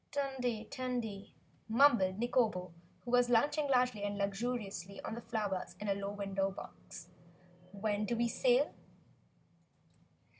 "Tandy! Tandy!" mumbled Nikobo, who was lunching largely and luxuriantly on the flowers in a low window box. "When do we sail?"